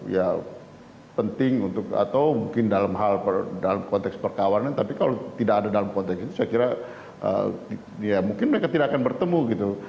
ya penting untuk atau mungkin dalam hal dalam konteks perkawanan tapi kalau tidak ada dalam konteks itu saya kira ya mungkin mereka tidak akan bertemu gitu